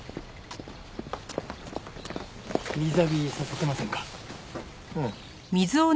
水浴びさせてませんか？